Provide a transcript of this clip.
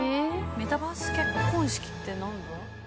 メタバース結婚式ってなんだ？